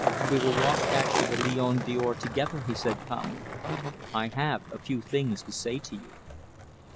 "We will walk back to the Lion d'Or together," he said calmly, "I have a few things to say to you!"